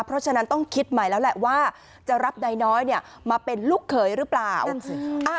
เพราะฉะนั้นต้องคิดใหม่แล้วแหละว่าจะรับนายน้อยเนี่ยมาเป็นลูกเขยหรือเปล่า